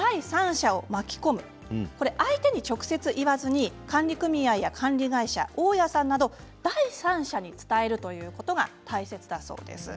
相手に直接、言わずに管理組合や管理会社、大家さんなど第三者に伝えるということが大切だそうです。